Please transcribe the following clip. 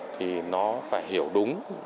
thì nó phải hiểu đúng